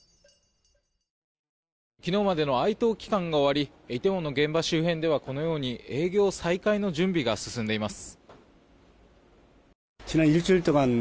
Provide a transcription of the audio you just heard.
昨日までの哀悼期間が終わり梨泰院の現場周辺ではこのように営業再開の準備が進んでいます。